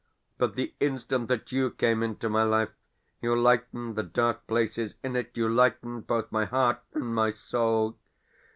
But the instant that YOU came into my life, you lightened the dark places in it, you lightened both my heart and my soul.